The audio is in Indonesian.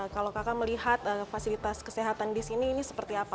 kalau kakak melihat fasilitas kesehatan di sini ini seperti apa